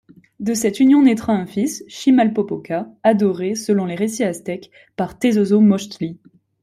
De cette union naitra un fils, Chimalpopoca, adoré, selon les récits aztèques, par Tezozomochtli.